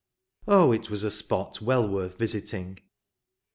Oh, it was a spot well worth visiting!